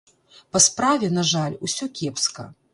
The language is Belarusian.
Па справе, на жаль, усё кепска.